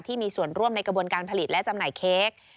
ที่มีส่วนร่วมในกระบวนการผลิตและจำหน่ายเค้ก